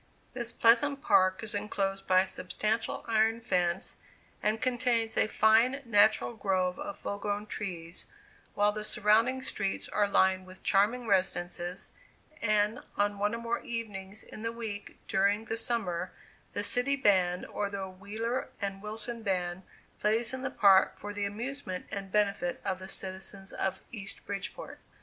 This pleasant park is enclosed by a substantial iron fence, and contains a fine, natural grove of full grown trees, while the surrounding streets are lined with charming residences, and, on one or more evenings in the week during the summer, the city band, or the Wheeler & Wilson band, plays in the Park for the amusement and benefit of the citizens of East Bridgeport.